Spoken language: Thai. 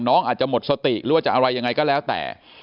น้องอาจจะหมดสติหรือว่าจะอะไรยังไงก็แล้วแต่